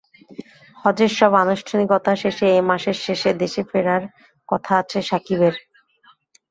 হজের সব আনুষ্ঠানিকতা শেষে এ মাসের শেষে দেশে ফেরার কথা আছে সাকিবের।